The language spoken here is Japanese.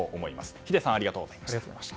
秀さん、ありがとうございました。